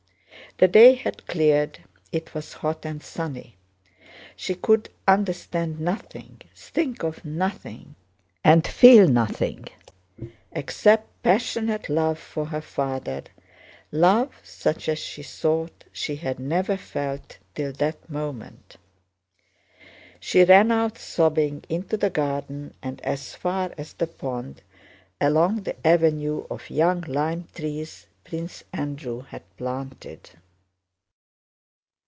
The day had cleared, it was hot and sunny. She could understand nothing, think of nothing and feel nothing, except passionate love for her father, love such as she thought she had never felt till that moment. She ran out sobbing into the garden and as far as the pond, along the avenues of young lime trees Prince Andrew had planted.